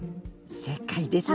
正解ですね。